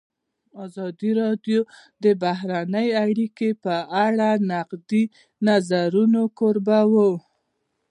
ازادي راډیو د بهرنۍ اړیکې په اړه د نقدي نظرونو کوربه وه.